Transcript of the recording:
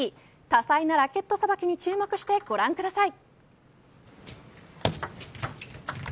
多彩なラケットさばきに注目してご覧ください。